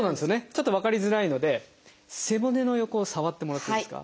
ちょっと分かりづらいので背骨の横を触ってもらっていいですか？